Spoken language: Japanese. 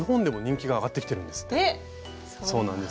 そうなんです。